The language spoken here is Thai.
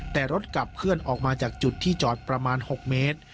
แต่รถกลับเคลื่อนออกมาจากจุดที่จอดประมาณ๖เมตร